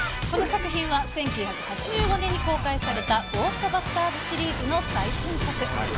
この作品は、１９８５年に公開されたゴーストバスターズシリーズの最新作。